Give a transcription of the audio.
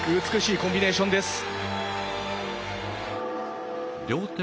美しいコンビネーションです。